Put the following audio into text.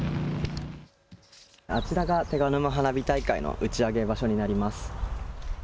あちらが手賀沼花火大会の打ち上げ場所になります。